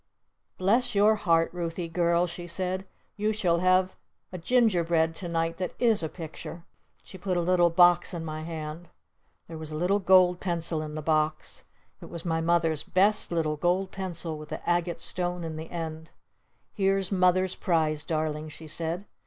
"Bless your heart, Ruthy Girl," she said. "You shall have a Ginger bread to night that is a Picture!" She put a little box in my hand. There was a little gold pencil in the box. It was my Mother's best little gold pencil with the agate stone in the end. "Here's Mother's prize, Darling," she said.